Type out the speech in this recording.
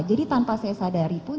jadi tanpa saya sadari pun